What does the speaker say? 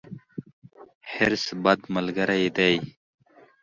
حرص، بد ملګری دی.